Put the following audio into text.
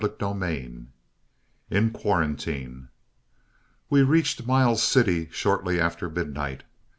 CHAPTER XIX. IN QUARANTINE We reached Miles City shortly after midnight.